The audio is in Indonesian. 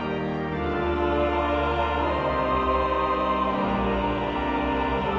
tuhan yang dipercaya